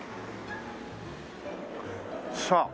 さあ。